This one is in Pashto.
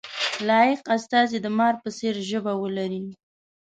لایق استازی د مار په څېر ژبه ولري.